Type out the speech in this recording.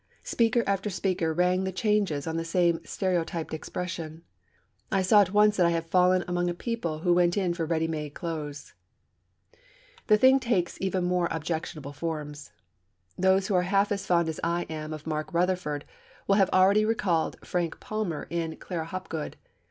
Speaker after speaker rang the changes on the same stereotyped expressions. I saw at once that I had fallen among a people who went in for ready made clothes. The thing takes even more objectionable forms. Those who are half as fond as I am of Mark Rutherford will have already recalled Frank Palmer in Clara Hopgood.